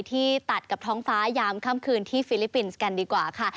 ที่ตัดกับท้องฟ้ายามค่ำคืนที่ฟิลิปปินส์กันดีกว่าค่ะ